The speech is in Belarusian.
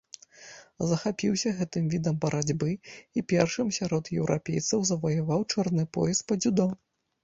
Захапіўся гэтым відам барацьбы і першым сярод еўрапейцаў заваяваў чорны пояс па дзюдо.